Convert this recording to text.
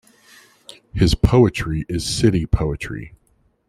His poetry is city poetry.